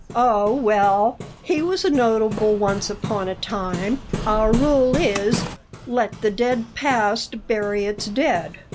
"Oh, well, he was a notable once upon a time. Our rule is, 'Let the dead past bury it's dead.'"